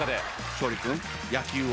勝利君野球は？